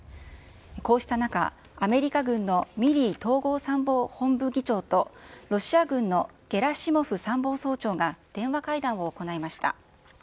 こうした中、アメリカ軍のミリー統合参謀本部議長と、ロシア軍のゲラシモフ参謀総長が電話会談を行いました。